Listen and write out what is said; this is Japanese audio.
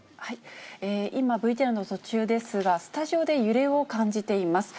今、ＶＴＲの途中ですが、スタジオで揺れを感じています。